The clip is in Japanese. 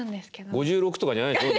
５６とかじゃないでしょ？